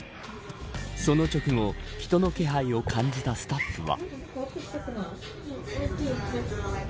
その直後、人の気配を感じたスタッフは。